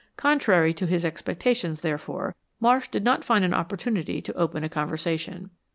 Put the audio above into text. Contrary to his expectations, therefore, Marsh did not find an opportunity to open a conversation.